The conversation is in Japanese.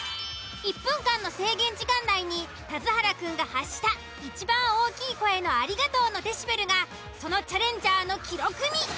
１分間の制限時間内に田津原くんが発したいちばん大きい声の「ありがとう」のデシベルがそのチャレンジャーの記録に。